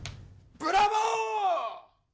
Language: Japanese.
ブラボー！